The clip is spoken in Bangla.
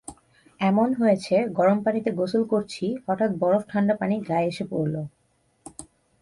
এমন হয়েছে, গরম পানিতে গোসল করছি, হঠাৎ বরফঠান্ডা পানি গায়ে এসে পড়ল।